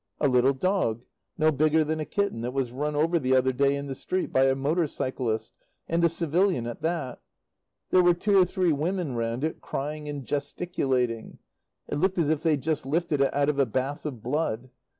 A little dog, no bigger than a kitten, that was run over the other day in the street by a motor cyclist and a civilian at that. There were two or three women round it, crying and gesticulating. It looked as if they'd just lifted it out of a bath of blood.